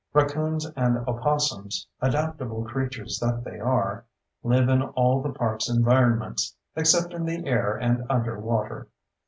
Raccoons and opossums, adaptable creatures that they are, live in all the park's environments—except in the air and under water.